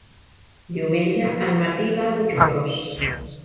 Diumenge en Martí va a Puiggròs.